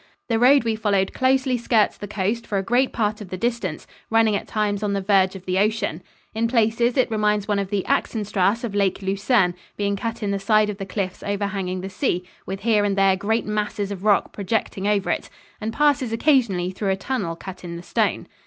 The road we followed closely skirts the coast for a great part of the distance, running at times on the verge of the ocean. In places it reminds one of the Axenstrasse of Lake Lucerne, being cut in the side of the cliffs overhanging the sea, with here and there great masses of rock projecting over it; and passes occasionally through a tunnel cut in the stone.